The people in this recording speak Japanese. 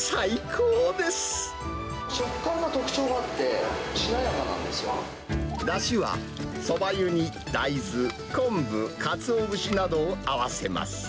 食感に特徴があって、しなやだしは、そば湯に大豆、昆布、カツオ節などを合わせます。